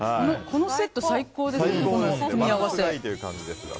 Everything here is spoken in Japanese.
このセット、最高ですね。